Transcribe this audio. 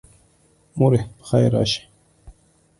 موري پخیر راشي